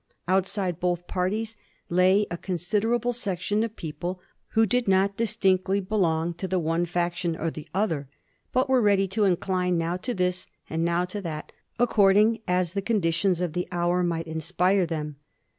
Outside both parties lay a considerable section of people who did not distinctly belong to the one fection or the other, but were ready to incline now to this and now to that, according as the con ditions of the hour might inspire them.